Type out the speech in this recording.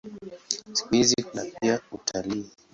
Siku hizi kuna pia utalii.